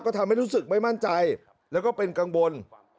ก็ทำให้รู้สึกไม่มั่นใจแล้วก็เป็นกังวล